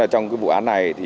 trong vụ án này